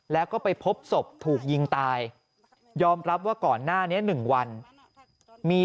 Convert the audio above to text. แล้วก็ไปพบศพถูกยิงตายยอมรับว่าก่อนหน้านี้๑วันมี